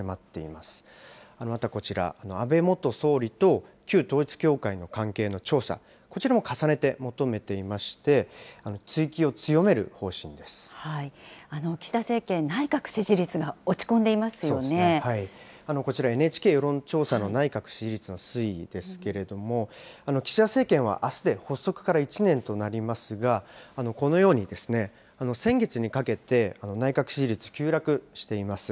またこちらの、安倍元総理と旧統一教会の関係の調査、こちらも重ねて求めていまして、追及を強め岸田政権、内閣支持率が落ちこちら、ＮＨＫ世論調査の内閣支持率の推移ですけれども、岸田政権はあすで発足から１年となりますが、このように、先月にかけて、内閣支持率、急落しています。